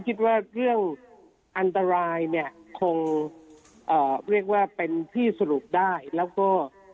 คิดว่าเรื่องอันตรายเนี่ยคงเอ่อเรียกว่าเป็นที่สรุปได้แล้วก็